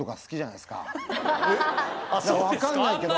いやわかんないけど。